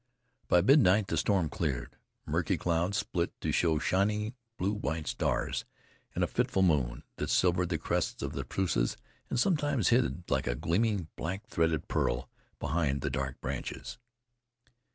By midnight the storm cleared. Murky cloud split to show shining, blue white stars and a fitful moon, that silvered the crests of the spruces and sometimes hid like a gleaming, black threaded peak behind the dark branches.